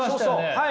はい。